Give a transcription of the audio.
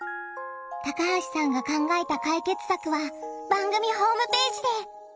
高橋さんが考えた解決策は番組ホームページで！